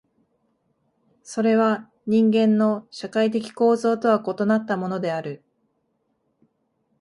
それは人間の社会的構造とは異なったものである。